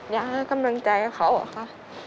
อยากให้กำลังใจเขาอะคะ